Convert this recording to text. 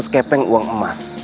lima ratus kepeng uang emas